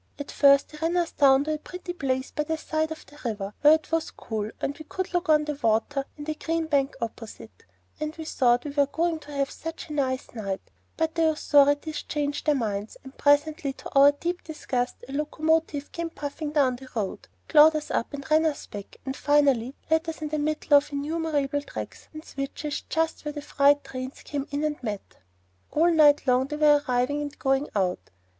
At first they ran us down to a pretty place by the side of the river, where it was cool, and we could look out on the water and a green bank opposite, and we thought we were going to have such a nice night; but the authorities changed their minds, and presently to our deep disgust a locomotive came puffing down the road, clawed us up, ran us back, and finally left us in the middle of innumerable tracks and switches just where all the freight trains came in and met. All night long they were arriving and going out.